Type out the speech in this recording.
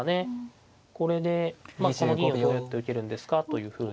これでこの銀をどうやって受けるんですかというふうに。